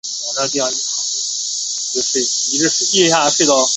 伊五二型潜艇是大日本帝国海军的潜舰型号。